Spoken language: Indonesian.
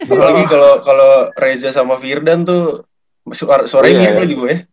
apalagi kalo reza sama firdan tuh suaranya mirip lagi gue